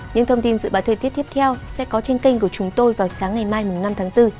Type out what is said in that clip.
những thông tin dự báo thời tiết tiếp theo sẽ có trên kênh của chúng tôi vào sáng ngày mai năm tháng bốn